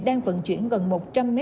đang vận chuyển gần một trăm linh m